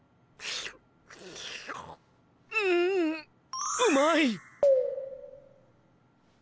んうまい！